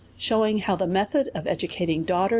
Shewing hoio the method of educating daugiitei'!